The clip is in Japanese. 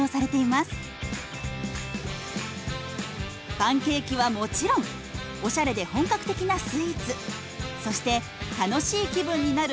パンケーキはもちろんおしゃれで本格的なスイーツそして楽しい気分になる